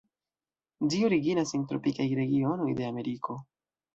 Ĝi originas en tropikaj regionoj de Ameriko.